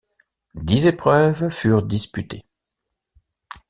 Dix épreuves furent disputées.